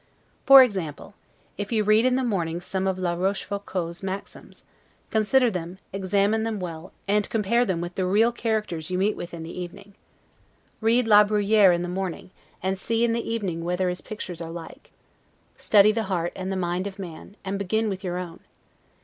For example, if you read in the morning some of La Rochefoucault's maxims; consider them, examine them well, and compare them with the real characters you meet with in the evening. Read La Bruyere in the morning, and see in the evening whether his pictures are like. Study the heart and the mind of man, and begin with your own.